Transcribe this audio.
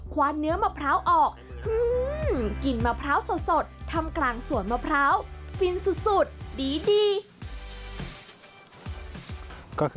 ควานเนื้อมะพร้าวออก